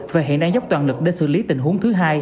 và hiện đang dốc toàn lực để xử lý tình huống thứ hai